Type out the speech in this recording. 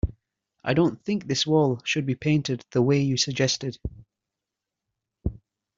I don't think this wall should be painted the way you suggested.